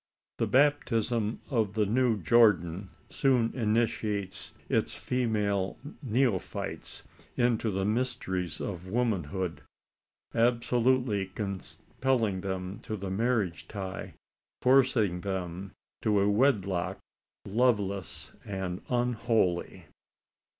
The baptism of the New Jordan soon initiates its female neophytes into the mysteries of womanhood absolutely compelling them to the marriage tie forcing them to a wedlock loveless and unholy.